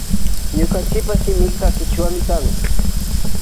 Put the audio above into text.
Ñukanchipa shimika kichwami kan.